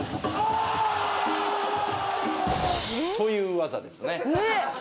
という技ですね。